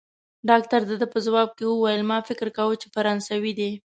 ډاکټر د ده په ځواب کې وویل: ما فکر کاوه، چي فرانسوی دی.